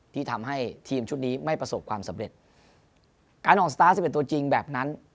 ที่ทำให้ทีมชุดนี้ไม่ประสบความสำเร็จการออกสตาร์ทสิบเอ็ดตัวจริงแบบนั้น